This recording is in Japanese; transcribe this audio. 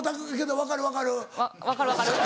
「分かる分かる」？